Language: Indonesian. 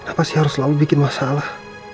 kenapa sih harus lalu bikin masalah